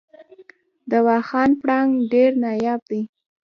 د واخان پړانګ ډیر نایاب دی